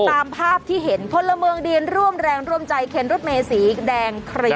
ตามภาพที่เห็นพลเมืองดีนร่วมแรงร่วมใจเข็นรถเมสีแดง